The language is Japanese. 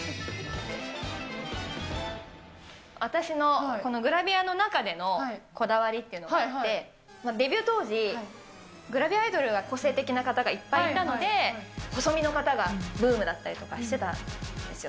私のこのグラビアの中でのこだわりっていうのがあって、デビュー当時、グラビアアイドルは個性的な方がいっぱいいたので、細身の方がブームだったりとかしてたんですよ。